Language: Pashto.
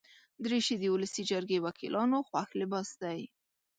دریشي د ولسي جرګې وکیلانو خوښ لباس دی.